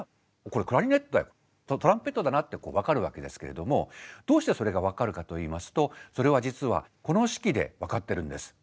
これはトランペットだなって分かるわけですけれどもどうしてそれが分かるかといいますとそれは実はこの式で分かってるんです。